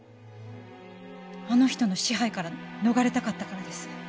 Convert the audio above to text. あの人の支配から逃れたかったからです。